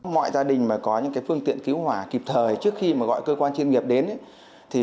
mọi gia đình mà có những phương tiện cứu hỏa kịp thời trước khi gọi cơ quan chuyên nghiệp đến